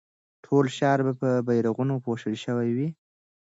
ټول ښار به په بيرغونو پوښل شوی وي.